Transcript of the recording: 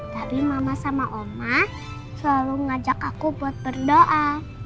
tapi mama sama omah selalu ngajak aku buat berdoa